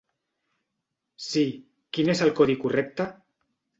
Sí, quin és el codi correcte?